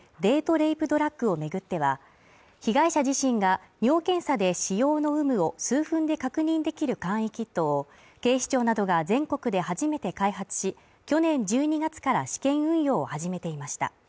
レイプドラッグを巡っては、被害者自身が、尿検査で使用の有無を数分で確認できる簡易キットを警視庁などが全国で初めて開発し、去年１２月から試験運用を始めていました。